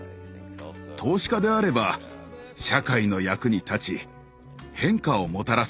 投資家であれば社会の役に立ち変化をもたらすことができます。